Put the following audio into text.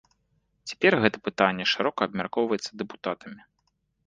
Цяпер гэта пытанне шырока абмяркоўваецца дэпутатамі.